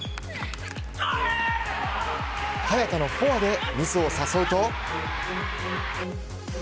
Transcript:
早田のフォアでミスを誘うと。